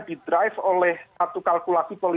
di drive oleh satu kalkulasi